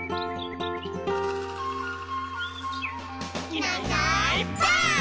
「いないいないばあっ！」